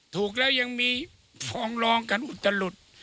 ถูกแล้วยังมีฟองรองกันอุตลุด